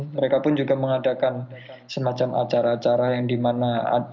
mereka pun juga mengadakan semacam acara acara yang dimana